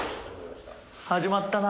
始まったな。